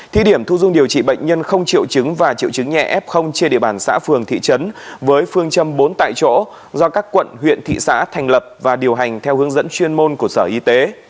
thí điểm thu dung điều trị bệnh nhân không triệu chứng và triệu chứng nhẹ f trên địa bàn xã phường thị trấn với phương châm bốn tại chỗ do các quận huyện thị xã thành lập và điều hành theo hướng dẫn chuyên môn của sở y tế